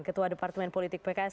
ketua departemen politik pks